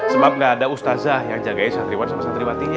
sebab gak ada ustadzah yang jagain santriwan sama santriwatinya